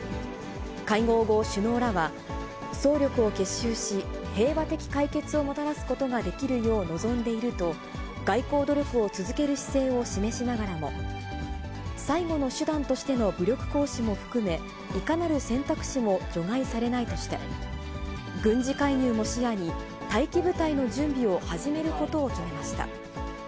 会合後、首脳らは、総力を結集し、平和的解決をもたらすことができるよう望んでいると、外交努力を続ける姿勢を示しながらも、最後の手段としての武力行使も含め、いかなる選択肢も除外されないとして、軍事介入も視野に、待機部隊の準備を始めることを決めました。